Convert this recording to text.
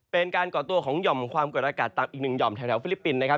เป็นการก่อตัวของยอมความเกิดอากาศตามอีกหนึ่งยอมแถวแถวฟิลิปปินส์นะครับ